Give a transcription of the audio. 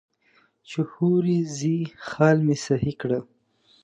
چې هورې ځې خال مې سهي کړه.